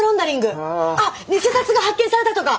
あっ偽札が発見されたとか！